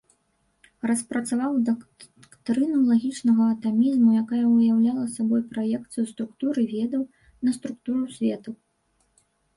Распрацаваў дактрыну лагічнага атамізму, якая уяўляла сабой праекцыю структуры ведаў на структуру свету.